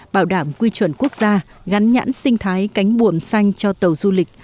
bảo đảm quy chuẩn quốc gia gắn nhãn sinh thái cánh buồm xanh cho tàu du lịch